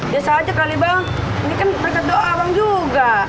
biasa aja kali bang ini kan terkait doa bang juga